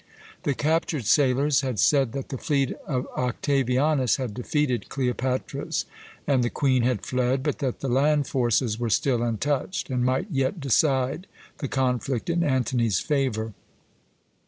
The captured sailors had said that the fleet of Octavianus had defeated Cleopatra's, and the Queen had fled, but that the land forces were still untouched, and might yet decide the conflict in Antony's favour.